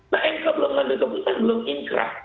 nah mk belum mengambil keputusan belum inkrah